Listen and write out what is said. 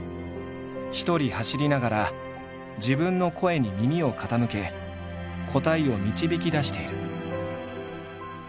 一人走りながら自分の声に耳を傾け答えを導き出している。